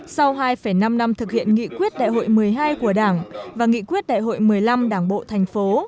sau hai năm năm thực hiện nghị quyết đại hội một mươi hai của đảng và nghị quyết đại hội một mươi năm đảng bộ thành phố